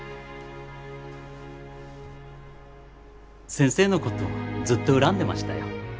先生のことずっと恨んでましたよ。